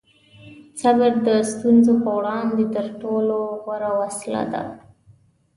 صبر د ستونزو په وړاندې تر ټولو غوره وسله ده.